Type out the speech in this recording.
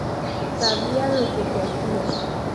Sabía lo que se hacía.